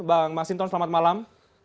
bang masinton selamat malam